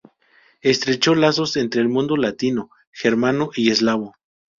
Estrechó lazos entre el mundo latino, germano y eslavo.